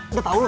udah tau lo